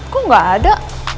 kok gak ada